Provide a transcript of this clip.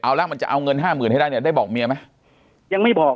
เอาแล้วมันจะเอาเงินห้าหมื่นให้ได้เนี่ยได้บอกเมียไหมยังไม่บอก